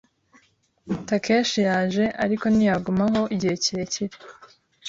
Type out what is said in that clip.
Takeshi yaje, ariko ntiyagumaho igihe kirekire.